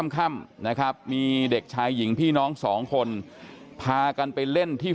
ค่ำนะครับมีเด็กชายหญิงพี่น้องสองคนพากันไปเล่นที่